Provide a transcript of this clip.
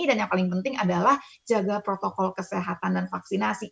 yang paling penting adalah jaga protokol kesehatan dan vaksinasi